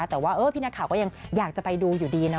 แต่ว่าพี่นักข่าวก็ยังอยากจะไปดูอยู่ดีนะ